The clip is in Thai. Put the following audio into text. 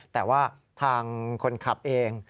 แต่ว่าทางคนขับเอง